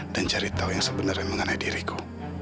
dan cari tahu yang sebenarnya mengenai diriku